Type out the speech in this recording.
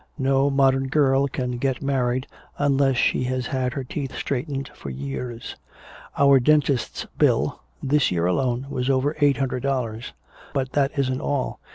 No modern girl can get married unless she has had her teeth straightened for years. Our dentist's bill, this year alone, was over eight hundred dollars. But that isn't all.